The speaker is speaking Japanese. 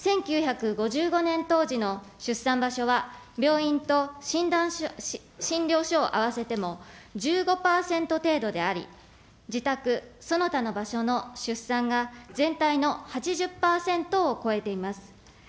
１９５５年当時の出産場所は病院と診療所を合わせても１５％程度であり、自宅、その他の場所の出産が全体の８０％を超えています。